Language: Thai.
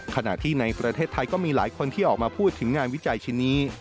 ขณะที่ในประเทศไทยก็มีหลายคนที่ออกมาพูดถึงงานวิจัยชิ้นนี้